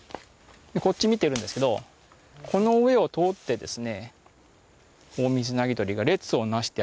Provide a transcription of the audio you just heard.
こっち見ているんですけどこの上を通ってですね。